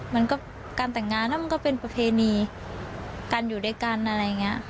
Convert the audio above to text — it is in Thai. มันก็การแต่งงานมันก็เป็นประเพณีการอยู่ด้วยกันอะไรอย่างนี้